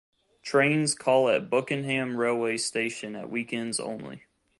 Trains call at Buckenham railway station at weekends only.